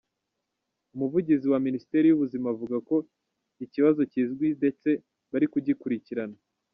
Umuvugizi wa Minisiteri y’Ubuzima avuga ko iki kibazo kizwi ndetse bari kugikurikirana.